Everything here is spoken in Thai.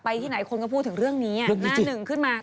ที่ไหนคนก็พูดถึงเรื่องนี้หน้าหนึ่งขึ้นมา